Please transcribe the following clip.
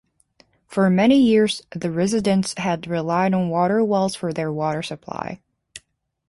For many years the residents had relied on water wells for their water supply.